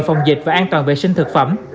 phòng dịch và an toàn vệ sinh thực phẩm